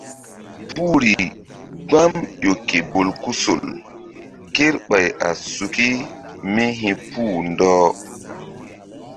Puhri gbam ƴo ke bolkusol kerɓay a suki mí hi̧puh ɗɔh.